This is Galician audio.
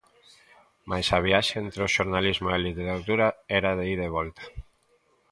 Mais a viaxe entre o xornalismo e a literatura era de ida e volta.